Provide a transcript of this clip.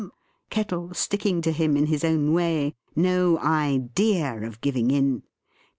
Kettle sticking to him in his own way; no idea of giving in.